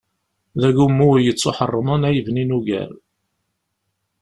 D agummu yettuḥeṛṛmen ay bnin ugar.